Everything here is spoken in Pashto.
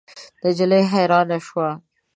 نجلۍ حیرانه شوه.